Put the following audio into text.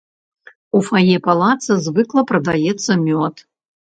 У фае палаца звыкла прадаецца мёд.